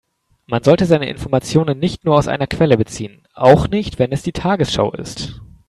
Man sollte seine Informationen nicht nur aus einer Quelle beziehen, auch nicht wenn es die Tagesschau ist.